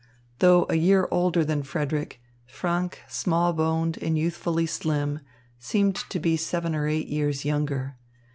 Though a year older than Frederick, Franck, small boned and youthfully slim, seemed to be seven or eight years younger.